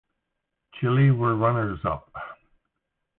Chile were runners-up.